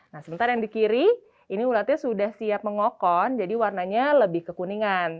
nah sebentar yang di kiri ini ulatnya sudah siap mengokon jadi warnanya lebih kekuningan